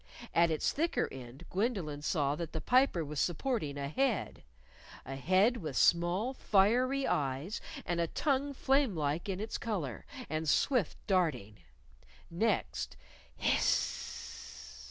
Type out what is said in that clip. At its thicker end Gwendolyn saw that the Piper was supporting a head a head with small, fiery eyes and a tongue flame like in its color and swift darting. Next, "_Hiss s s s s!